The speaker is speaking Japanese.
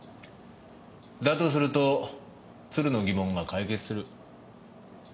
だとすると鶴の疑問が解決する。